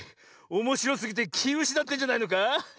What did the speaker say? おもしろすぎてきうしなってんじゃないのか？